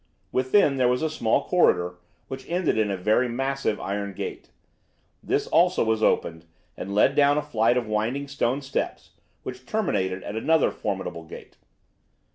Within there was a small corridor, which ended in a very massive iron gate. This also was opened, and led down a flight of winding stone steps, which terminated at another formidable gate.